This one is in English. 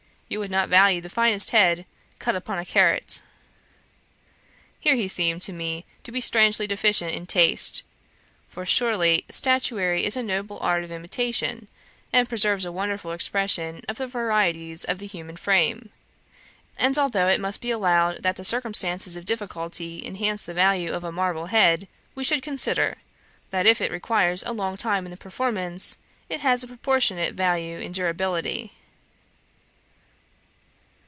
You would not value the finest head cut upon a carrot.' Here he seemed to me to be strangely deficient in taste; for surely statuary is a noble art of imitation, and preserves a wonderful expression of the varieties of the human frame; and although it must be allowed that the circumstances of difficulty enhance the value of a marble head, we should consider, that if it requires a long time in the performance, it has a proportionate value in durability.